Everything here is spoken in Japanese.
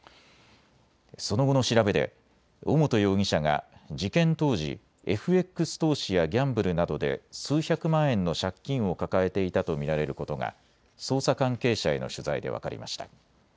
その後の調べで尾本容疑者が事件当時、ＦＸ投資やギャンブルなどで数百万円の借金を抱えていたと見られることが捜査関係者への取材で分かりました。